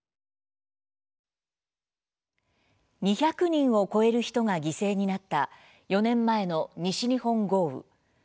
２００人を超える人が犠牲になった４年前の西日本豪雨。